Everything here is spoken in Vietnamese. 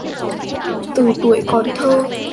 Từ tuổi còn thơ